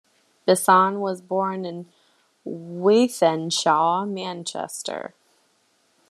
Bisson was born in Wythenshawe, Manchester.